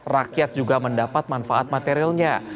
rakyat juga mendapat manfaat materialnya